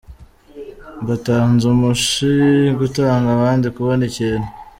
Mbatanze umushi” : Gutanga abandi kubona ikintu.